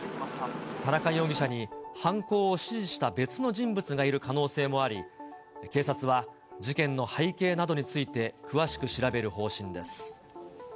田中容疑者に犯行を指示した別の人物がいる可能性もあり、警察は、事件の背景などについて詳しく調べる方針です。